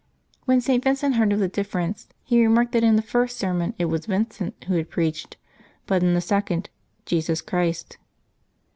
When St. Vincent heard of the difference, he re marked that in the first sermon it was Vincent who had preached, but in the second, Jesus Christ.